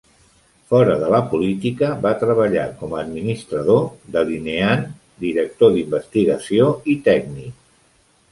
Fora de la política, va treballar com a administrador, delineant, director d"investigació i tècnic.